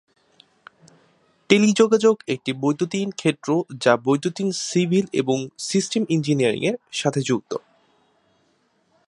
টেলিযোগাযোগ একটি বৈদ্যুতিন ক্ষেত্র যা বৈদ্যুতিন, সিভিল এবং সিস্টেম ইঞ্জিনিয়ারিংয়ের সাথে যুক্ত।